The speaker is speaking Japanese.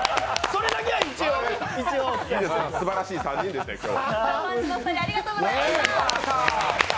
それだけは一応すばらしい３人でしたよ、今日。